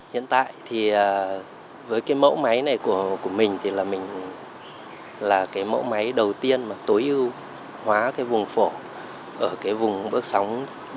hiện tại với mẫu máy này của mình là mẫu máy đầu tiên tối ưu hóa vùng phổ ở vùng bước sóng bốn trăm chín mươi